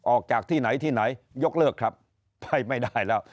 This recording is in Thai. ออกจากที่ไหนที่ไหนยกเลิกครับไปไม่ได้แล้ว